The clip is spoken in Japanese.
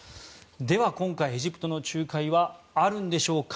では、今回、エジプトの仲介はあるんでしょうか。